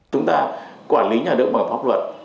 chúng ta quản lý nhà nước bằng pháp luật